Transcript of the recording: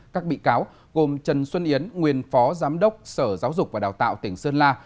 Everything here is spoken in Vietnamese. các bị cáo gồm trần xuân yến nguyên phó giám đốc sở giáo dục và đào tạo tỉnh sơn la